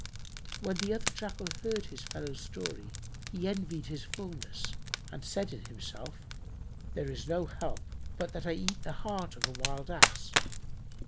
When the other Jackal heard his fellow's story, he envied his fulness and said in himself, "There is no help but that I eat the heart of a wild Ass."